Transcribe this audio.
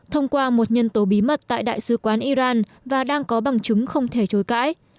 thông qua một nhân tố bí mật tại đại sứ quán iran và đang có bằng chứng không thể chối cãi